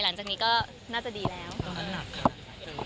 หลังจากนี้ก็น่าจะดีแล้วต้องหนักค่ะ